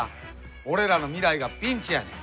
俺らの未来がピンチやねん。